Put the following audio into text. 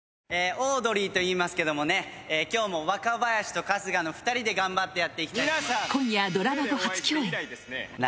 オードリーといいますけどもね今日も若林と春日の２人で頑張ってやっていきたいと。